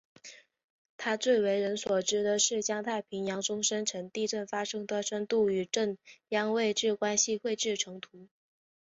他最为人所知的是将太平洋中深层地震发生的深度与震央位置关系绘制成图。